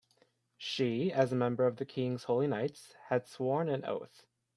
She, as a member of the king's holy knights, had sworn an oath.